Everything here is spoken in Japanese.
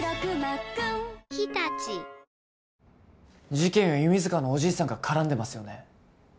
事件は弓塚のおじいさんが絡んでますよね？